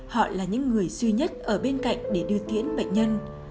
họ là những người duy nhất ở bên cạnh để đưa tiễn bệnh nhân